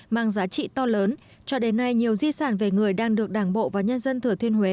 mang giá trị to lớn cho đến nay nhiều di sản về người đang được đảng bộ và nhân dân thừa thuyên huế